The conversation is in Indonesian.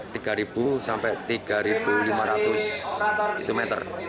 tiga sampai tiga lima ratus meter